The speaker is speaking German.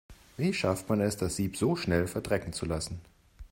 Wie schafft man es, das Sieb so schnell verdrecken zu lassen?